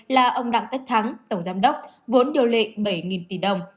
là ông đặng tất thắng tổng giám đốc vốn điều lệ bảy tỷ đồng